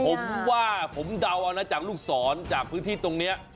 ผมว่าผมเดาเอานะจากลูกศรจากพื้นที่ตรงนี้